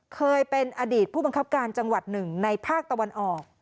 เคยเป็นอดีตผู้บังคับการจังหวัดหนึ่งในภาคตะวันออก